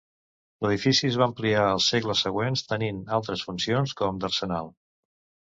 L'edifici es va ampliar als segles següents, tenint altres funcions, com d'arsenal.